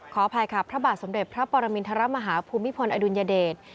ขออภัยค่ะพระบาทสมเด็จพระปรมินทรมาฮาภูมิพลอดุลยเดช